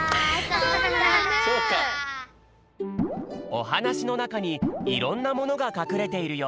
おはなしのなかにいろんなものがかくれているよ。